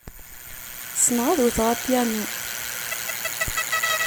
Ssneɣ ad wteɣ apyanu.